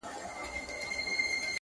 هم یې ماڼۍ وې تر نورو جګي -